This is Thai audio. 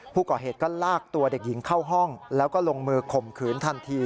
ผู้ก่อเหตุก็ลากตัวเด็กหญิงเข้าห้องแล้วก็ลงมือข่มขืนทันที